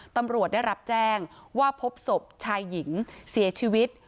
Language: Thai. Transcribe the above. ตำรวจได้รับแจ้งว่าพบศพชายหญิงเสียชีวิต